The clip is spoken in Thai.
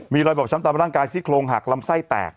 มีรอยบอบช้ำตามร่างกายซี่โครงหักลำไส้แตก